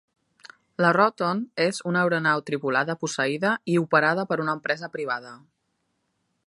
La Roton és una aeronau tripulada posseïda i operada per una empresa privada.